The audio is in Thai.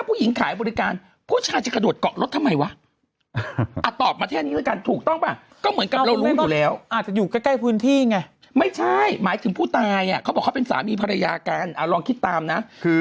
ผู้ตายเขาบอกเขาเป็นสามีภรรยาการลองคิดตามนะ